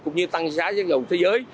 cũng như tăng giá xăng dầu thế giới